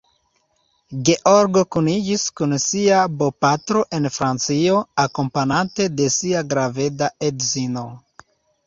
Georgo kuniĝis kun sia bopatro en Francio, akompanate de sia graveda edzino.